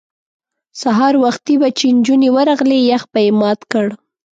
سهار وختي به چې نجونې ورغلې یخ به یې مات کړ.